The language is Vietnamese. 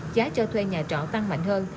giá cho thuê nhà trọ tăng mạnh hơn